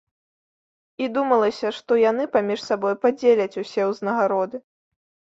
І думалася, што яны паміж сабой падзеляць усё ўзнагароды.